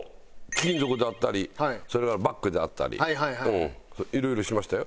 金属だったりそれがバッグであったりいろいろしましたよ。